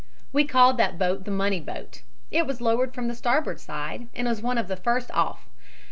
"We called that boat the 'money boat.' It was lowered from the starboard side and was one of the first off.